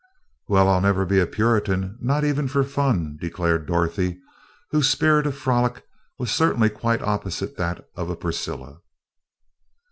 "Well, I'll never be a Puritan, not even for fun," declared Dorothy, whose spirit of frolic was certainly quite opposite that of a Priscilla.